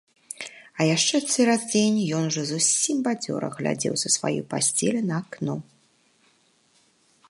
А яшчэ цераз дзень ён ужо зусім бадзёра глядзеў са сваёй пасцелі на акно.